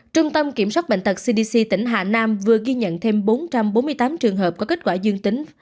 trung tâm kiểm soát bệnh tật cdc tỉnh hà nam vừa ghi nhận thêm bốn trăm bốn mươi tám trường hợp có kết quả dương tính